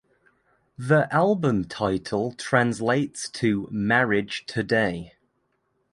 The album title translates to "Marriage Today".